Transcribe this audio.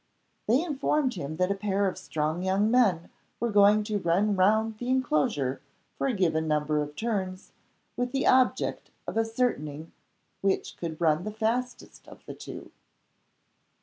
They informed him that a pair of strong young men were going to run round the inclosure for a given number of turns, with the object of ascertaining which could run the fastest of the two.